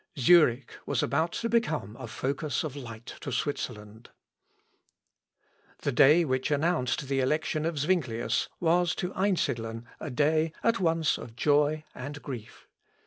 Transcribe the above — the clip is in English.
Zurich was about to become a focus of light to Switzerland. [Sidenote: ARRIVAL AT ZURICH.] The day which announced the election of Zuinglius was to Einsidlen a day at once of joy and grief.